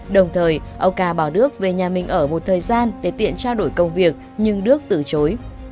đồng thời ông ca bảo đước về nhà mình ở một thời gian để tiện trao đổi công việc nhưng đước từ chối